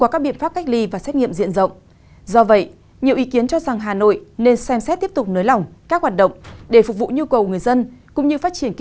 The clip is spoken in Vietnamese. các bệnh viện thực sự mới nhất trên địa bàn khu vực hà nội và cả nước